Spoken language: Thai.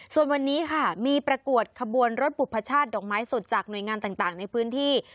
ส่วนวันนี้ค่ะมีประกวดขบวนรถบุพชาติดอกไม้สดจากหน่วยงานต่างในพื้นที่